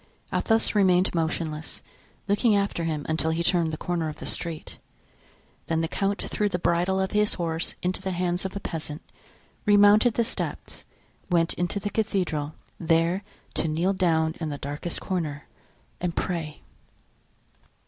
Athos remained motionless, looking after him until he turned the corner of the street. Then the count threw the bridle of his horse into the hands of a peasant, remounted the steps, went into the cathedral, there to kneel down in the darkest corner and pray.